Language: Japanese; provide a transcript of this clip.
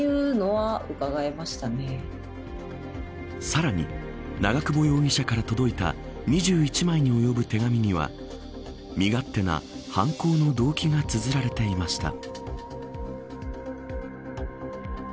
さらに長久保容疑者から届いた２１枚に及ぶ手紙には身勝手な犯行の動機がつづられていました。